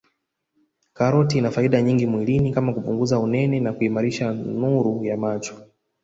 Karoti ina faida nyingi mwilini kama kupunguza unene na kuimarisha nuru ya macho